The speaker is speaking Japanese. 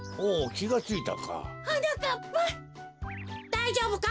だいじょうぶか？